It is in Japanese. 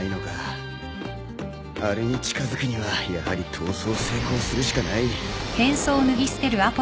あれに近づくにはやはり逃走成功するしかない。